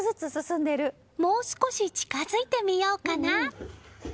もう少し近づいてみようかな。